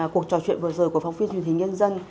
cuộc trò chuyện vừa rồi của phóng viên truyền hình nhân dân